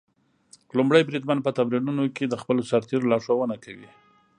لومړی بریدمن په تمرینونو کې د خپلو سرتېرو لارښوونه کوي.